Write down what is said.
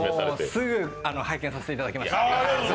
すぐ拝見させていただきました。